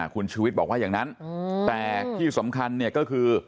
คุณชูวิทย์บอกว่าอย่างนั้นแต่ที่สำคัญเนี่ยก็คือ